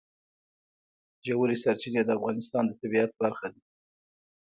ژورې سرچینې د افغانستان د طبیعت برخه ده.